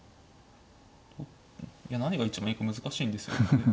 いや何が一番いいか難しいんですよね。